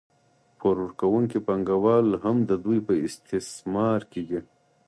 پور ورکوونکي پانګوال هم د دوی په استثمار کې دي